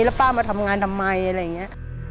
แล้วป้ามาทำงานทำไมอะไรอย่างนี้